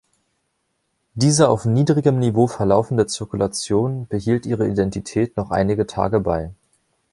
Diese auf niedrigem Niveau verlaufende Zirkulation behielt ihre Identität noch einige Tage bei.